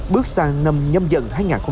bước sang năm nhâm dần hai nghìn hai mươi bốn